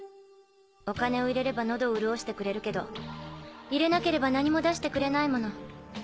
お金を入れればのどを潤してくれるけど入れなければ何も出してくれないもの。